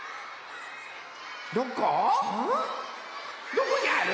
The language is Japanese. どこにある？